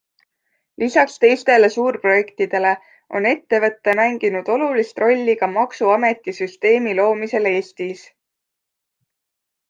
Lisaks teistele suurprojektidele on ettevõte mänginud olulist rolli ka maksuameti süsteemi loomisel Eestis.